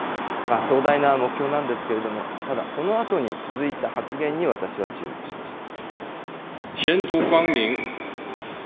壮大な目標なんですけれども、ただそのあとに続いた発言に私は注目しました。